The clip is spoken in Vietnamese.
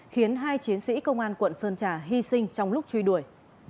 khiến hai chiến sĩ công an quận sơn trà hy sinh trong lúc truy đuổi